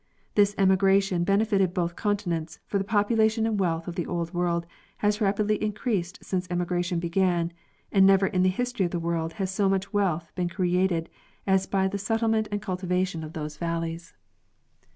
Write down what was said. This emigration benefited both continents, for the population and wealth of the Old World has rapidly increased since emigration began, and never in the history of the world has so much wealth been created as by the settle ment and cultivation of these valleys.